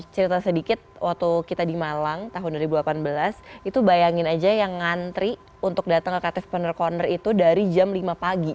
cerita sedikit waktu kita di malang tahun dua ribu delapan belas itu bayangin aja yang ngantri untuk datang ke creative partner corner itu dari jam lima pagi